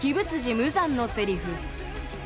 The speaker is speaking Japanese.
無惨のセリフ